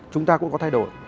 chúng ta cũng có thay đổi